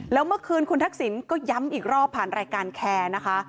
แล้วเมื่อคืนคุณทักษิณก็ย้ำอีกรอบผ่านรายการแคร์นะคะ